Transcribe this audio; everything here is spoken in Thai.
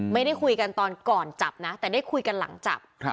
ไม่ได้คุยกันตอนก่อนจับนะแต่ได้คุยกันหลังจับ